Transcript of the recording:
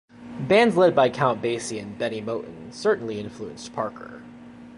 Bands led by Count Basie and Bennie Moten certainly influenced Parker.